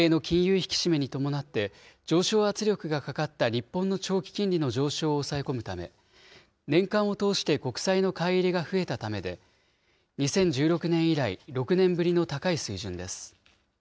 引き締めに伴って、上昇圧力がかかった日本の長期金利の上昇を抑え込むため、年間を通して国債の買い入れが増えたためで、２０１６年以来、６年ぶりの高い水準です。